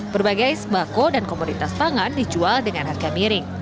berbagai sembako dan komoditas pangan dijual dengan harga miring